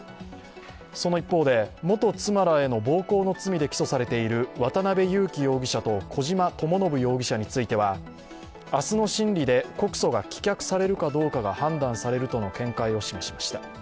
その一方で、元妻らへの暴行の罪で起訴されている渡辺優樹容疑者と小島智信容疑者については、明日の審理で告訴が棄却されるかどうかが判断されるとの見解を示しました。